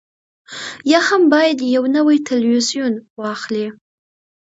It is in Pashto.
یا هم باید یو نوی تلویزیون واخلئ